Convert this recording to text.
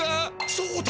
そうだ！